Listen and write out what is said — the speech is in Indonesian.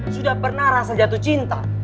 sudah pernah rasa jatuh cinta